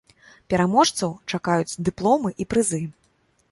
Пераможцаў чакаюць дыпломы і прызы.